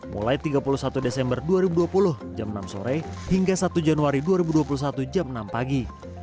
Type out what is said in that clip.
mulai tiga puluh satu desember dua ribu dua puluh jam enam sore hingga satu januari dua ribu dua puluh satu jam enam pagi